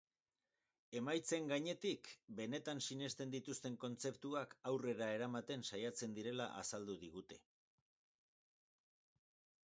Emaitzen gainetik, benetan sinesten dituzten kontzeptuak aurrera eramaten saiatzen direla azaldu digute.